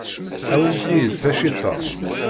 Awimt-iyi-d taciṭa.